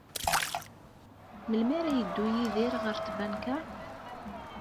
Melmi ara yeddu Yidir ɣer tbanka?